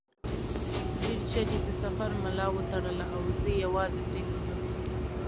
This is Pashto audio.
ډېر ژر یې د سفر ملا وتړله او زه یې یوازې پرېښودم.